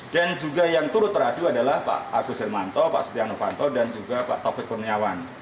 dan juga yang turut teradu adalah pak agus hermanto pak setiano panto dan juga pak taufik kurniawan